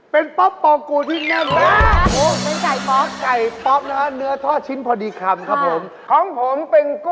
เป็นป๊อบปองกรูลโำ่งโง่